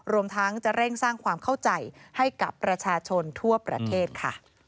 รวมทั้งจะเร่งสร้างความเข้าใจให้กับประชาชนทั่วประเทศค่ะ